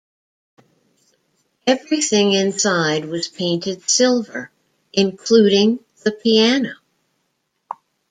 Everything inside was painted silver, including the piano.